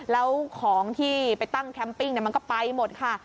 แล้วของที่ไปตั้งแคมปิ้งมันก็ไปหมดค่ะ